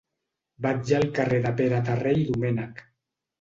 Vaig al carrer de Pere Terré i Domènech.